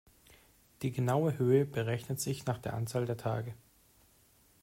Die genaue Höhe berechnet sich nach der Anzahl der Tage.